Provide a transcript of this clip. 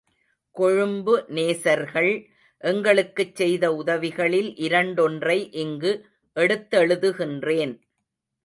கொழும்பு நேசர்கள் எங்களுக்குச் செய்த உதவிகளில் இரண்டொன்றை இங்கு எடுத்தெழுதுகிறேன்.